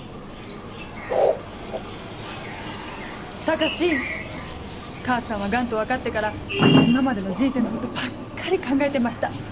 「高志母さんはガンと分かってから今までの人生のことばっかり考えてました。